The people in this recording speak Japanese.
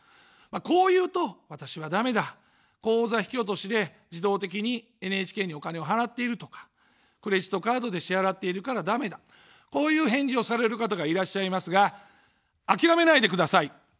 こう言うと、私はだめだ、口座引き落としで自動的にＮＨＫにお金を払っているとか、クレジットカードで支払ってるからだめだ、こういう返事をされる方がいらっしゃいますが、諦めないでください。